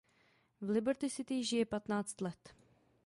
V Liberty City žije patnáct let.